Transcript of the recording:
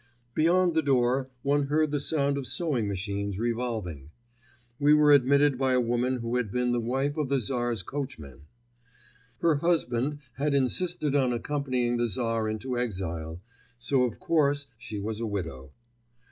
Beyond the door one heard the sound of sewing machines revolving. We were admitted by a woman who had been the wife of the Tsar's coachman. Her husband had insisted on accompanying the Tsar into exile, so of course she was a widow.